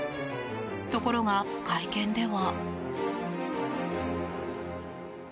ところが会見では。